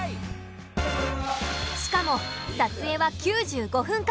しかも撮影は９５分間。